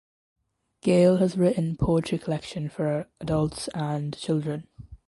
Gaile has written poetry collection for adults and children.